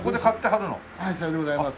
はい。